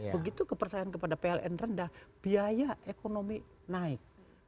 begitu kepercayaan kepada pln rendah biaya ekonomi naik